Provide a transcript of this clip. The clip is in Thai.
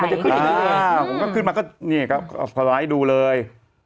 มันจะขึ้นมาก็นี่ครับพอไลท์ดูเลย